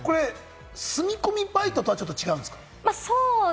住み込みバイトとは違うんですか？